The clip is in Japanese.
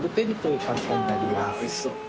うわおいしそう。